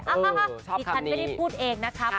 อ้าวที่ฉันไม่ได้พูดเองนะครับ